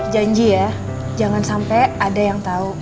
janji ya jangan sampai ada yang tahu